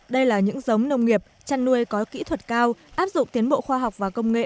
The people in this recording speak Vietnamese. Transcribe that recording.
đây là những giống nông nghiệp chăn nuôi có kỹ thuật cao áp dụng tiến bộ khoa học và công nghệ